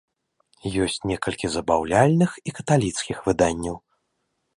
Ёсць некалькі забаўляльных і каталіцкіх выданняў.